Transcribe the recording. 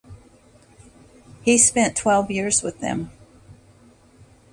He spent twelve years with them.